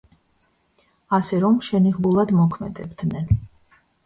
ასე რომ, შენიღბულად მოქმედებდნენ.